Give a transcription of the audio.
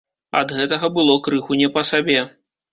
Ад гэтага было крыху не па сабе.